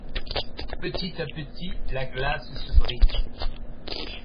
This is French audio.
Petit à petit la glace se brise.